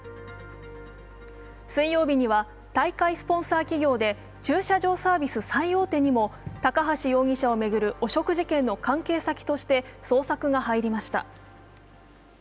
水曜日には大会スポンサー企業で駐車場サービス最大手にも高橋容疑者を巡る汚職事件の関係先として捜索が入りました。